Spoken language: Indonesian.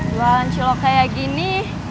jualan cilok kayak gini